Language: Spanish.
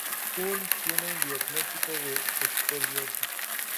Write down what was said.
Hunt tiene un diagnóstico de Escoliosis.